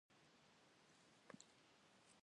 Xabzem têtu ğepsaş yêzı khafer.